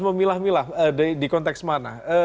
memilah milah di konteks mana